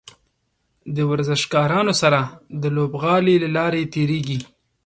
د ورزشکارانو سره د لوبغالي له لارې تیریږي.